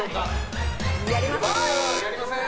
やりません。